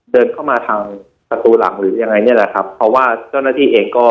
เดินเข้ามาทางประตูหลังหรือยังไงเนี่ยแหละครับเพราะว่าเจ้าหน้าที่เองก็